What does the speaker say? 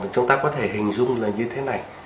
chúng ta có thể hình dung là như thế này